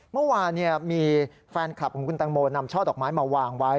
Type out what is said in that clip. เมื่อวานมีแฟนคลับของคุณตังโมนำช่อดอกไม้มาวางไว้